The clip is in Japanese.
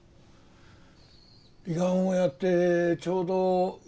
胃がんをやってちょうど１年。